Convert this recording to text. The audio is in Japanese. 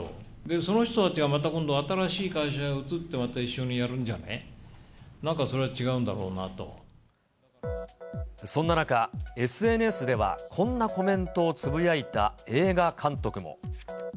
その人たちがまた今度、新しい会社へ移って、また一緒にやるんじゃない、なんかそれは違うんだろうなと思そんな中、ＳＮＳではこんなコメントをつぶやいた映画監督も。